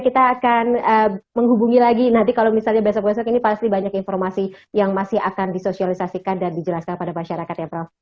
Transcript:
kita akan menghubungi lagi nanti kalau misalnya besok besok ini pasti banyak informasi yang masih akan disosialisasikan dan dijelaskan pada masyarakat ya prof